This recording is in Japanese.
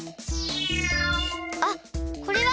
あっこれは？